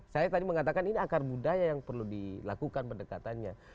saya tadi mengatakan ini akar budaya yang perlu dilakukan pendekatannya